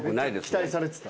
期待されてた。